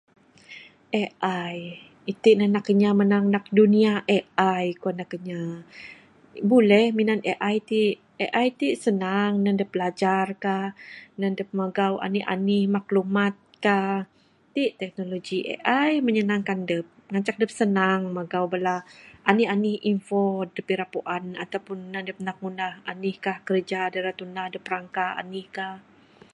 AI iti nuh nak kinya manang dunia AI kuan nak kinya. Buleh minan AI iti AI ti senang nan dup bilajar kah nan dup magau anih anih maklumat kah, ti teknologi AI menyenangkan adup cak dup senang magau bala anih anih info adup ira puan ataupun nan adup ngunah anih kah kerja da rak tunah dup rangka kah anih kah.